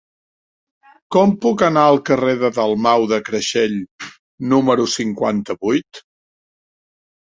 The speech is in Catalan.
Com puc anar al carrer de Dalmau de Creixell número cinquanta-vuit?